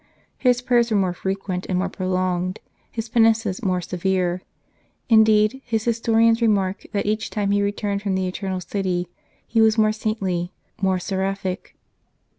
His prayers were more frequent and more prolonged, his penances more severe. Indeed, his historians remark that each time that he returned from the Eternal City he was more saintly, more seraphic.